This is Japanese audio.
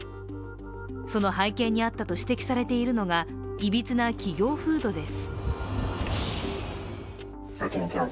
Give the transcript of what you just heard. その背景にあったと指摘されているのがいびつな企業風土です。